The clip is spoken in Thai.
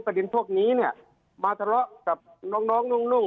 ประเด็นพวกนี้เนี่ยมาทะเลาะกับน้องหนุ่ง